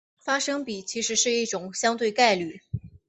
发生比其实是一种相对概率。